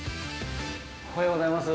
おはようございます。